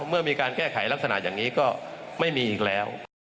เมื่อมีการแก้ไขลักษณะอย่างนี้ก็ไม่มีอีกแล้ว